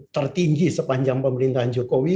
tertinggi sepanjang pemerintahan jokowi